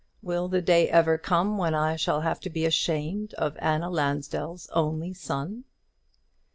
will the day ever come when I shall have to be ashamed of Anna Lansdell's only son?"